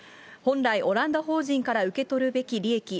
本来、オランダ法人から受け取るべき利益